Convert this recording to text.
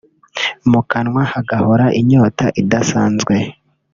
mu kanwa hagahora inyota idasanzwe